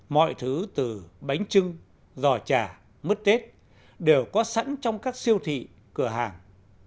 mọi thứ từ bánh trưng giò trà mứt tết đều có sẵn trong các siêu thị cửa hàng